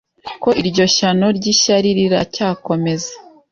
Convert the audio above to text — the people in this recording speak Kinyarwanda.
Ko iryo shyano ry'ishyari riracyakomeza